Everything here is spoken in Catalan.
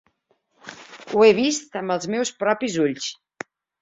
Ho he vist amb els meus propis ulls.